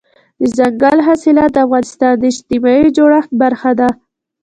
دځنګل حاصلات د افغانستان د اجتماعي جوړښت برخه ده.